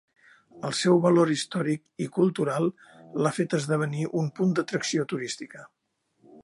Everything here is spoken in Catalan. El seu valor històric i cultural l'ha fet esdevenir un punt d'atracció turística.